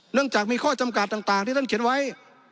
จากมีข้อจำกัดต่างที่ท่านเขียนไว้